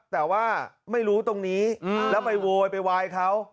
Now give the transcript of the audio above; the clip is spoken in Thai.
แต่ว่าไม่รู้ตรงนี้แล้วไปโวยไปวายเขา